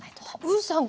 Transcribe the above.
ウーさん